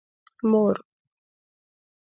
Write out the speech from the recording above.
مور